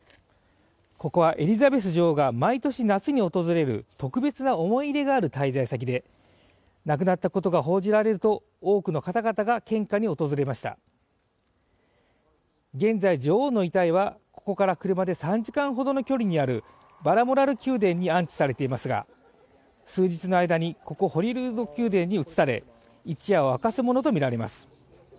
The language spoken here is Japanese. ここはエリザベス女王が毎年夏に訪れる特別な思い入れがある滞在先で亡くなったことが報じられると多くの方々が献花に訪れました現在、女王の遺体はここから車で３時間ほどの距離にあるバラモラル宮殿に安置されていますが数日の間にここホリールード宮殿に移され一夜を明かすものと見られます